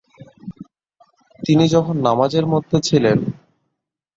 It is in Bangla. তিনি তখন নামাজের মধ্যে ছিলেন।